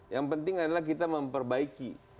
yang penting adalah kita memperbaiki